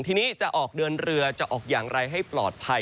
ทีนี้จะออกเดินเรือจะออกอย่างไรให้ปลอดภัย